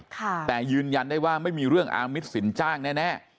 แต่ยืนยันได้ว่าไม่มีเรื่องอามิตสินจ้างแน่